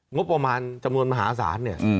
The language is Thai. งบประมาณจำนวนมหาศาลเนี่ย